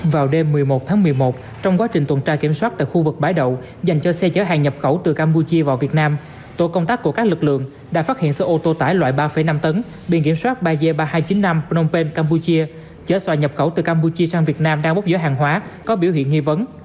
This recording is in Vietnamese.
vào đêm một mươi một tháng một mươi một trong quá trình tuần tra kiểm soát tại khu vực bãi đậu dành cho xe chở hàng nhập khẩu từ campuchia vào việt nam tổ công tác của các lực lượng đã phát hiện xe ô tô tải loại ba năm tấn biên kiểm soát ba g ba nghìn hai trăm chín mươi năm phnom penh campuchia chở xoài nhập khẩu từ campuchia sang việt nam đang bốc dở hàng hóa có biểu hiện nghi vấn